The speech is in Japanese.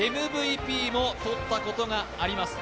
ＭＶＰも取ったことがあります。